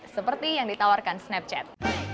seperti yang ditawarkan snapchat